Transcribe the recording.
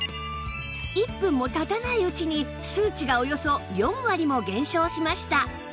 １分も経たないうちに数値がおよそ４割も減少しました